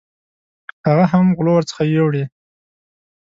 هغه هم غلو ورڅخه یوړې.